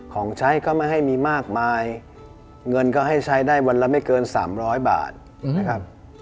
ของใช้ก็ไม่ให้มีมากมายเงินก็ให้ใช้ได้วันละไม่เกิน๓๐๐บาทนะครับ